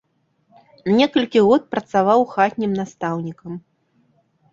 Некалькі год працаваў хатнім настаўнікам.